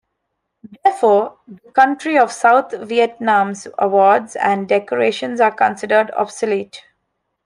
Therefore, the country of South Vietnam's awards and decorations are considered obsolete.